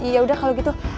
yaudah kalau gitu